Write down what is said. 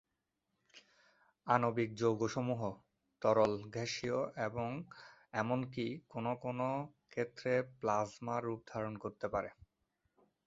আণবিক যৌগসমূহ তরল, গ্যাসীয় এবং এমনকি কোন কোন ক্ষেত্রে প্লাজমা রূপ ধারণ করতে পারে।